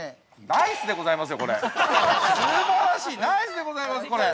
ナイスでございます、これ。